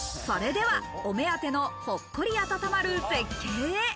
それでは、お目当てのほっこり温まる絶景へ。